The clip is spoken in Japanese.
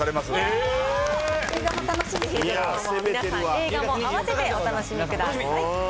映画も併せてお楽しみください。